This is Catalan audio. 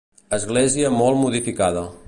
Església molt modificada.